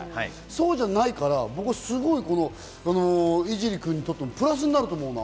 そうじゃないからすごい井尻君にとってもプラスになると思うな。